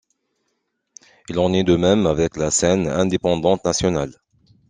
Il en est de même avec la scène indépendante nationale.